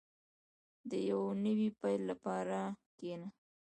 • د یو نوي پیل لپاره کښېنه.